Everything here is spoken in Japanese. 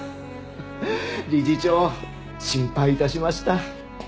理事長心配致しました。